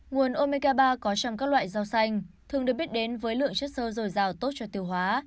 nguồn omega ba có trong các loại rau xanh thường được biết đến với lượng chất sâu dồi dào tốt cho tiêu hóa